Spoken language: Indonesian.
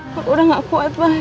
kok udah gak kuat pak